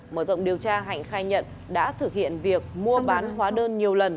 mở rộng điều tra hạnh khai nhận đã thực hiện việc mua bán hóa đơn nhiều lần